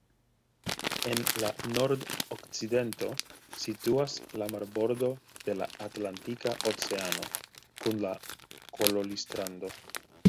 En la Nord-Okcidento situas la marbordo de la Atlantika oceano kun la Kololi-strando.